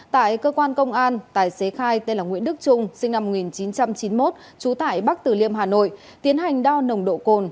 tại cơ quan công an tài xế khai tên là nguyễn đức trung sinh năm một nghìn chín trăm chín mươi một trú tại bắc tử liêm hà nội tiến hành đo nồng độ cồn